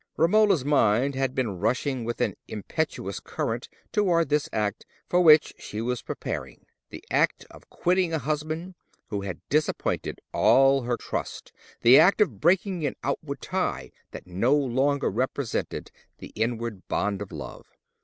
Romola's mind had been rushing with an impetuous current towards this act, for which she was preparing: the act of quitting a husband who had disappointed all her trust, the act of breaking an outward tie that no longer represented the inward bond of love.